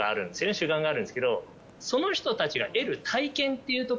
主眼があるんですけど。